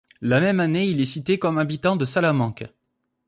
La même année il est cité comme habitant de Salamanque.